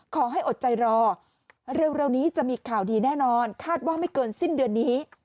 อดใจรอเร็วนี้จะมีข่าวดีแน่นอนคาดว่าไม่เกินสิ้นเดือนนี้